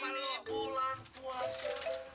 ini bulan puasa